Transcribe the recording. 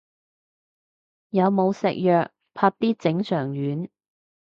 有冇食藥，啪啲整腸丸